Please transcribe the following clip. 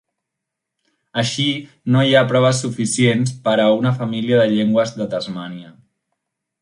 Així, no hi ha proves suficients per a una família de llengües de Tasmània.